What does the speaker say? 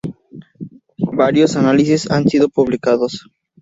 Varios análisis han sido publicados.